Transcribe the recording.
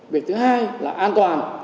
việc thứ hai là an toàn